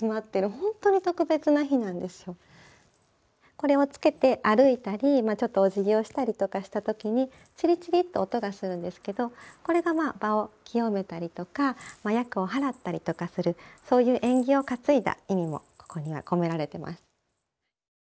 これをつけて歩いたりちょっとおじぎをしたりとかした時にチリチリと音がするんですけどこれがまあ場を清めたりとか厄を払ったりとかするそういう縁起を担いだ意味もここには込められてます。